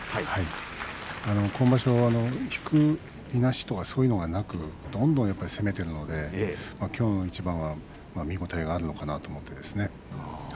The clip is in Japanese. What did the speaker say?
今場所、引くいなしとかそういうのがなくどんどん攻めているのできょうの一番は見応えがあるのかなと思ってですね。